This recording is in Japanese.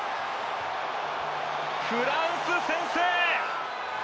フランス先制！